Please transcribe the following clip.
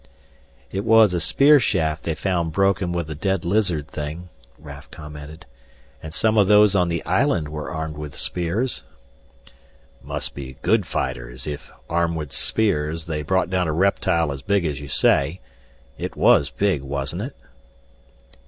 "It was a spear shaft they found broken with the dead lizard thing," Raf commented. "And some of those on the island were armed with spears " "Must be good fighters if, armed with spears, they brought down a reptile as big as you say. It was big, wasn't it?"